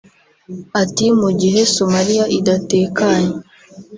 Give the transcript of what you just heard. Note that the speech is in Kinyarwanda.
Ati “Mu gihe Somalia idatekanye